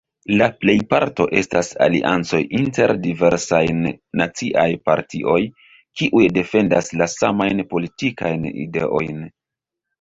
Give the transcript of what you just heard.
La plejparto estas aliancoj inter diversajn naciaj partioj, kiuj defendas la samajn politikajn ideojn.